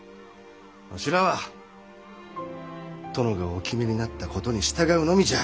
わしらは殿がお決めになったことに従うのみじゃ。